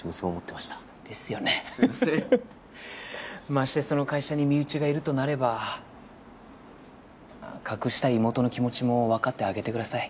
ましてその会社に身内がいるとなれば隠したい妹の気持ちもわかってあげてください。